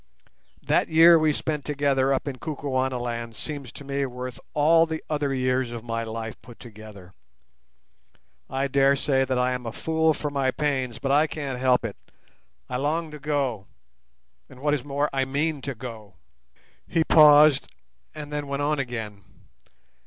That year we spent together up in Kukuanaland seems to me worth all the other years of my life put together. I dare say that I am a fool for my pains, but I can't help it; I long to go, and, what is more, I mean to go." He paused, and then went on again.